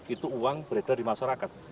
itu uang beredar di masyarakat